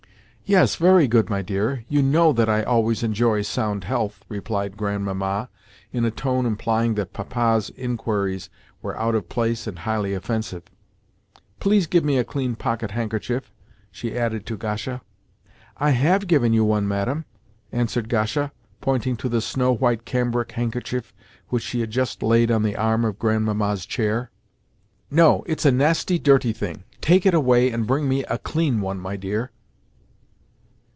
"Yes, very good, my dear; you know that I always enjoy sound health," replied Grandmamma in a tone implying that Papa's inquiries were out of place and highly offensive. "Please give me a clean pocket handkerchief," she added to Gasha. "I have given you one, madam," answered Gasha, pointing to the snow white cambric handkerchief which she had just laid on the arm of Grandmamma's chair. "No, no; it's a nasty, dirty thing. Take it away and bring me a clean one, my dear."